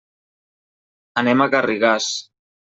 Anem a Garrigàs.